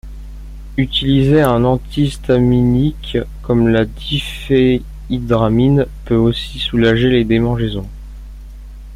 Utiliser un antihistaminique comme la diphénhydramine peut aussi soulager les démangeaisons.